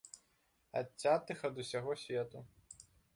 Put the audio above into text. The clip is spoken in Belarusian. Адцятых ад усяго свету.